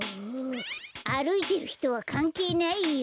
あるいてるひとはかんけいないよ。